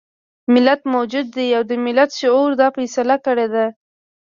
ملت موجود دی او د ملت شعور دا فيصله کړې ده.